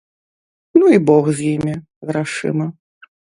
Ну і бог з імі, грашыма.